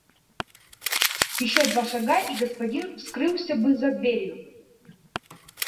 Ещё два шага и господин скрылся бы за дверью.